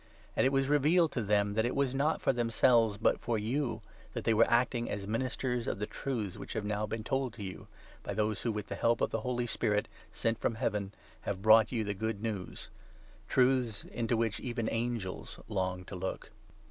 And it was revealed to them that it was not for themselves, but for you, that they were acting as Ministers of the truths which have now been told to you, by those who, with the help of the Holy Spirit sent from Heaven, have brought you the Good News — truths into which even angels long to look.